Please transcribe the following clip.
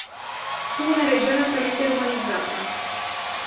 Fu una regione altamente romanizzata.